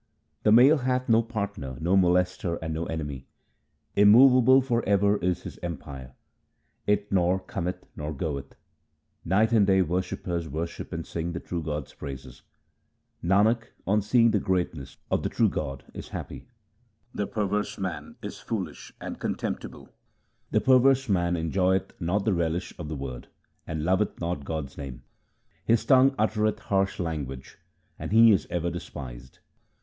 The Male hath no partner, no molester, and no enemy. Immovable for ever is His empire ; it nor cometh nor goeth. Night and day worshippers worship and sing the true God's praises. Nanak, on seeing the greatness of the true God, is happy. The perverse man is foolish and contemptible :— The perverse man enjoyeth not the relish of the Word, and loveth not God's name. His tongue uttereth harsh language ; and he is ever despised.